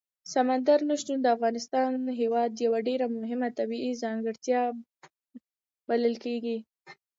سمندر نه شتون د افغانستان هېواد یوه ډېره مهمه طبیعي ځانګړتیا بلل کېږي.